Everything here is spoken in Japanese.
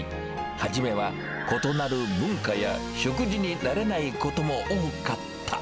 初めは異なる文化や食事に慣れないことも多かった。